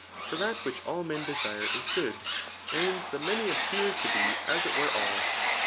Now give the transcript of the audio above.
For that which all men desfafe is good ; tfrf ri^ many appear to be as it were alt.